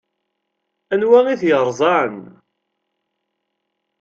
Anwa i t-yerẓan?